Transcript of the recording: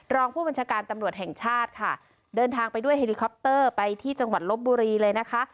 รองผู้บัญชาการตำรวจแห่งชาติค่ะเดินทางไปด้วยเฮลิคอปเตอร์ไปที่จังหวัดลบบุรีเลยนะคะ